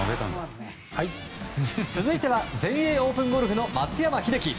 続いては全英オープンゴルフの松山英樹。